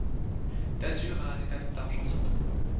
D'azur à un étalon d'argent sautant.